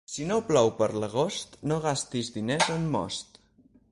Si no plou per l'agost, no gastis diners en most.